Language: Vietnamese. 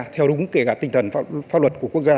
theo đúng kể cả tinh thần pháp luật của quốc gia